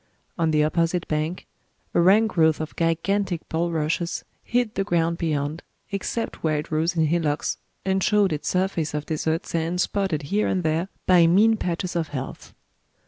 On the opposite bank, a rank growth of gigantic bulrushes hid the ground beyond, except where it rose in hillocks, and showed its surface of desert sand spotted here and there by mean patches of health.